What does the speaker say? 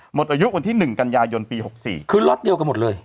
หมดอายุวันที่๑กันยายนปี๖๔คือล็อตเดียวกันหมดเลย